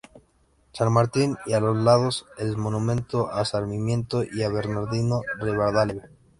San Martín y a los lados el monumento a Sarmiento y a Bernardino Rivadavia.